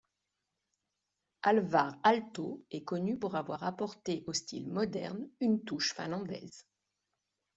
Alvar Aalto est connu pour avoir apporté au style Moderne une touche finlandaise.